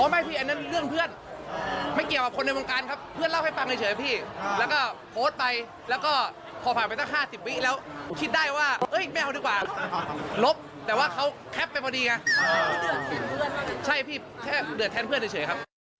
ไม่พี่อันนั้นเรื่องเพื่อนไม่เกี่ยวกับคนในวงการครับเพื่อนเล่าให้ฟังเฉยพี่แล้วก็โพสต์ไปแล้วก็พอผ่านไปตั้ง๕๐วิแล้วคิดได้ว่าไม่เอาดีกว่าลบแต่ว่าเขาแคปไปพอดีไงใช่พี่แค่เดือดแทนเพื่อนเฉยครับ